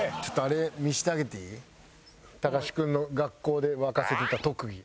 タカシ君の学校で沸かせてた特技。